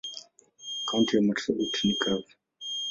Kaunti ya marsabit ni kavu.